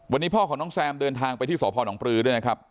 วันนี้พ่อของน้องแซมเดินทางไปที่สพนปลือด้วยนะครับ